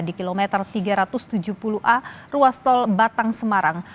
di kilometer tiga ratus tujuh puluh a ruas tol batang semarang